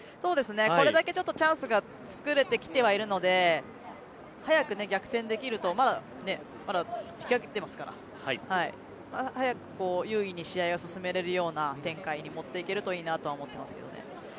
これだけチャンスが作れてきてはいるので早く逆転できるとまだ、引き分けていますから早く優位に試合を進められるような展開に持っていけるといいなと思っていますよね。